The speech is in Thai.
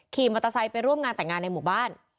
ขี่มอเตอร์ไซค์ไปร่วมงานแต่งงานในหมู่บ้าน